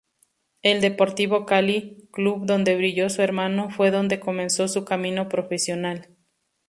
El Deportivo Cali, club donde brilló su hermano, fue donde comenzó su camino profesional.